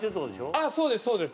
そうですそうです。